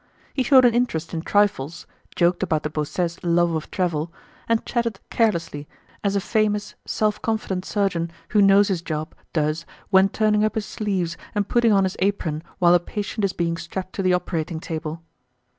He showed an interest in trifles, joked about de Beausset's love of travel, and chatted carelessly, as a famous, self confident surgeon who knows his job does when turning up his sleeves and putting on his apron while a patient is being strapped to the operating table.